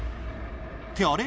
って、あれ？